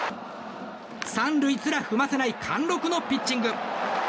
３塁すら踏ませない貫禄のピッチング。